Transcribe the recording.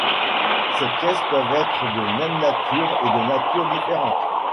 Ces pièces peuvent être de même nature ou de natures différentes.